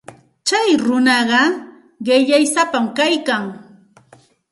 Tsay runaqa qillaysapam kaykan.